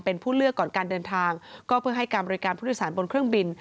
เป็นผู้เลือกก่อนการเดินทางก็เพื่อให้การบริการผู้โดยสารบนเครื่องบิน